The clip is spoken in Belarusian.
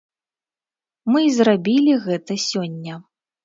Мы і зрабілі гэта сёння.